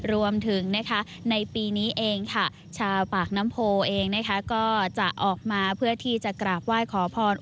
รวมถึงในปีนี้เองค่ะชาวปากน้ำโพเองก็จะออกมาเพื่อที่จะกราบไหว้ขอพร